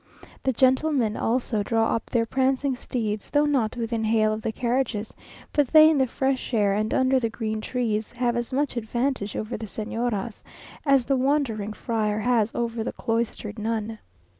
The gentlemen also draw up their prancing steeds, though not within hail of the carriages, but they in the fresh air and under the green trees have as much advantage over the Señoras as the wandering friar has over the cloistered nun.